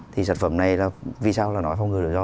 thì sản phẩm này là vì sao là nói phong ngừa rủi ro